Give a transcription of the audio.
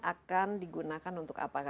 akan digunakan untuk apa